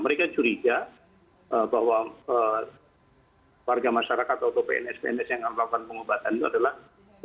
mereka curiga bahwa warga masyarakat atau pns pns yang akan melakukan pengobatan itu adalah